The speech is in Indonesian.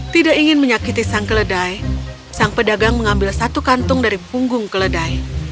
tidak ingin menyakiti sang keledai sang pedagang mengambil satu kantung dari punggung keledai